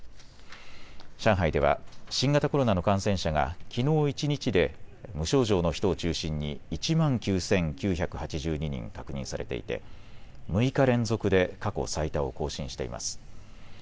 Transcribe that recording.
上海では新型コロナの感染者がきのう一日で無症状の人を中心に１万９９８２人確認されていて６日連続で過去最多を更新しています。